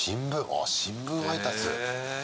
ああ、新聞配達。え。